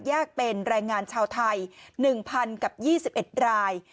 เป็นแรงงานชาวไทย๑๐๐กับ๒๑ราย